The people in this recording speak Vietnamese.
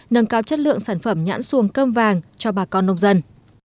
nâng cao chất lượng sản phẩm nhãn xuồng cơm vàng cho bà con nông dân